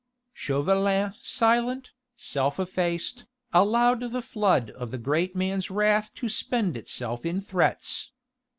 Chauvelin silent, self effaced, allowed the flood of the great man's wrath to spend itself in threats.